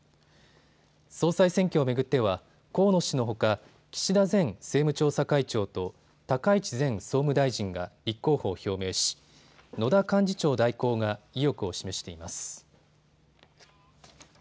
総裁選挙を巡っては河野氏のほか、岸田前政務調査会長と高市前総務大臣が立候補を表明し野田幹事長代行が意欲を示しています。